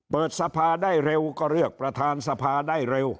เปิดสภาได้เร็วก็เลือกประธานสภาได้เร็ว